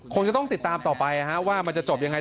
คงจะต้องติดตามต่อไปว่ามันจะจบยังไง